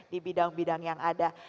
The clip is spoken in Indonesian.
di bidang bidang yang ada